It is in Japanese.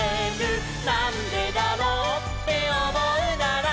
「なんでだろうっておもうなら」